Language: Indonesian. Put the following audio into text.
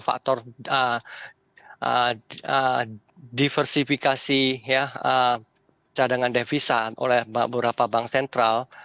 faktor diversifikasi cadangan devisa oleh beberapa bank sentral